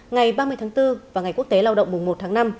ngày ba mươi tháng bốn và ngày quốc tế lao động mùng một tháng năm